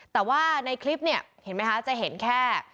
แต่ว่าในคลิปเนี่ยเธอเห็นแค่